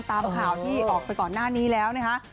ตามข่าวที่ออกไปก่อนหน้านี้แล้วนะคะ